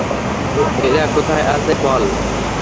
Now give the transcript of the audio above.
ওরা কোথায় আছে বল!